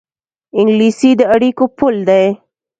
انګلیسي د اړیکو پُل دی